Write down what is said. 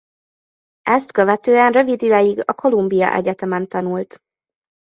Ezt követően rövid ideig a Columbia Egyetemen tanult.